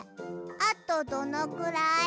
あとどのくらい？